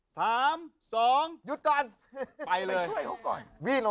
สามสองหยุดก่อน